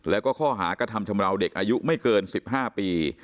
แล้วก็ข้อหากระทำชำราวเด็กอายุไม่เกิน๑๕ปี